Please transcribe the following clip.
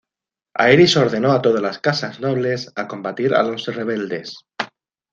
Aerys ordenó a todas las Casas nobles a combatir a los rebeldes.